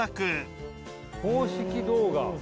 公式動画。